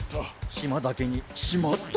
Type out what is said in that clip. しまだけにしまった。